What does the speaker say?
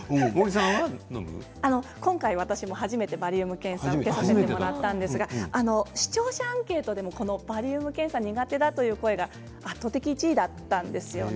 私も初めてバリウム検査を受けさせていただいたんですが視聴者アンケートでも苦手だという方が圧倒的１位だったんです。